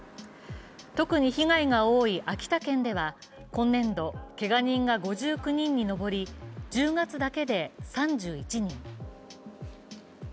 特に被害が多い秋田県では、今年度けが人が５９人にのぼり１０月だけで３１人。